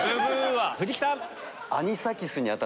藤木さん。